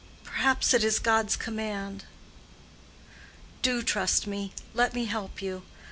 Perhaps it is God's command." "Do trust me. Let me help you.